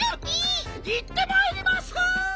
いってまいります！